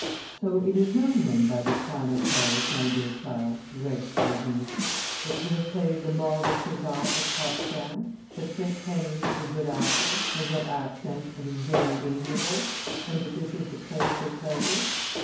"So it is known, then, by this time at Paris, my dear child," he writes to his niece, "that we have played the Mort de Cesar at Potsdam, that Prince Henry is a good actor, has no accent, and is very amiable, and that this is the place for pleasure?